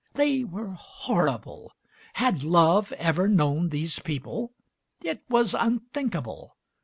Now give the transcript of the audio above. They were horrible. Had Love ever known these people? It was unthinkable!